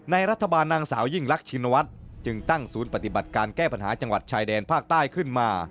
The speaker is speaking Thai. รัฐบาลนางสาวยิ่งรักชินวัฒน์จึงตั้งศูนย์ปฏิบัติการแก้ปัญหาจังหวัดชายแดนภาคใต้ขึ้นมา